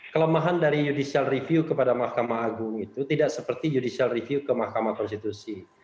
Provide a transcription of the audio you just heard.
kelemahan dari judicial review kepada mahkamah agung itu tidak seperti judicial review ke mahkamah konstitusi